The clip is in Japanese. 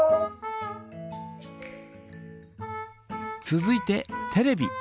続いてテレビ。